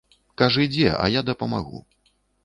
Кажы дзе, а я дапамагу.